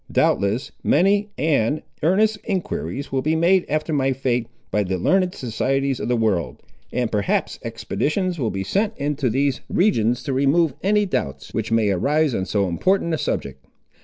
Doubtless many and earnest enquiries will be made after my fate, by the learned societies of the world, and perhaps expeditions will be sent into these regions to remove any doubts, which may arise on so important a subject.